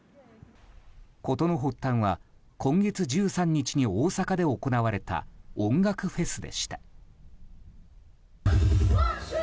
事の発端は今月１３日に大阪で行われた音楽フェスです。